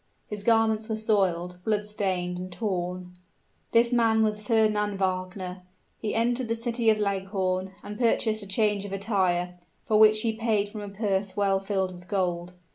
His garments were soiled, blood stained, and torn. This man was Fernand Wagner. He entered the city of Leghorn, and purchased a change of attire, for which he paid from a purse well filled with gold.